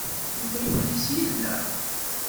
Tufa iman-is yid-neɣ?